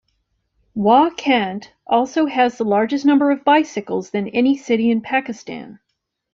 Wah Cantt also has the largest number of bicycles than any city in Pakistan.